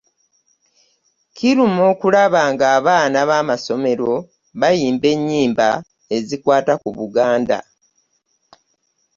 Kiruma okulaba ng’abaana b’amasomero bayimba ennyimba ezikwata ku Buganda.